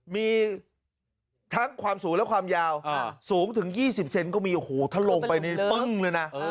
มีความสูงและความยาวสูงถึง๒๐เซ็นต์ก็มีถ้าลงไปนี่ปึ้งเลยนะ